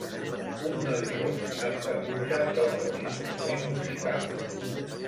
Un noi ros amb caputxa toca un instrument musical.